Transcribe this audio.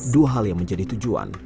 dua hal yang menjadi tujuan